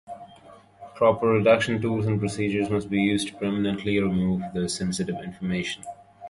Proper redaction tools and procedures must be used to permanently remove the sensitive information.